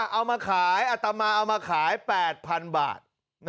เอามาขายอัตมาเอามาขาย๘๐๐๐บาท